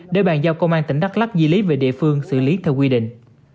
để bàn giao công an tỉnh đắk lắc di lý về địa phương xử lý theo quy định